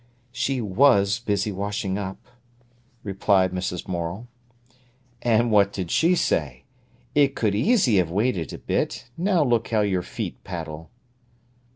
'" "She was busy washing up," replied Mrs. Morel. "And what did she say? 'It could easy have waited a bit. Now look how your feet paddle!